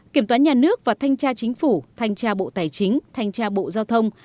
kiểm toán nhà nước và thanh tra chính phủ thanh tra bộ tài chính thanh tra bộ giao thông